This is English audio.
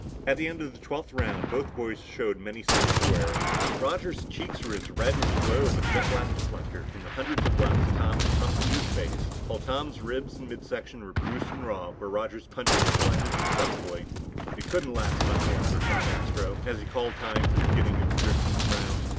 At the end of the twelfth round, both boys showed many signs of wear. Roger's cheeks were as red as the glow of a jet blast deflector from the hundreds of lefts Tom had pumped into his face, while Tom's ribs and mid section were bruised and raw where Roger's punches had landed successfully. It couldn't last much longer, thought Astro, as he called time for the beginning of the thirteenth round.